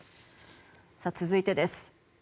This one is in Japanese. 続いてです。